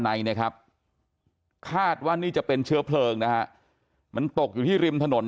ในนะครับคาดว่านี่จะเป็นเชื้อเพลิงนะฮะมันตกอยู่ที่ริมถนน